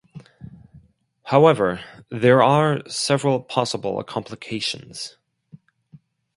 However, there are several possible complications.